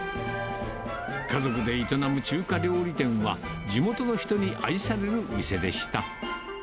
家族で営む中華料理店は、地元の人に愛される店でした。